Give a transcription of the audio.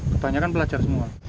kebanyakan pelajar semua